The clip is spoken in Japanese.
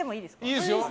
いいですよ。